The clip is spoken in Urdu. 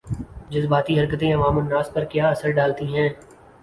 جذباتی حرکتیں عوام الناس پر کیا اثرڈالتی ہیں